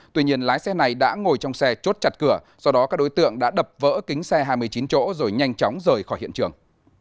tuy nhiên lái xe này đã ngồi trong xe chốt chặt cửa do đó các đối tượng đã đập vỡ kính xe hai mươi chín chỗ rồi nhanh chóng rời khỏi hiện trường